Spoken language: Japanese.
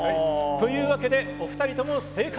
というわけでお二人とも正解！